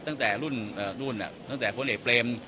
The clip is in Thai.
ตั้งแต่รุ่นเอ่อนู่นเนี้ยตั้งแต่คนเอกเปรม